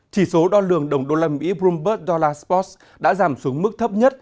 chỉ số đo lường đồng đô la mỹ bloomberg dollar sports đã giảm xuống mức thấp nhất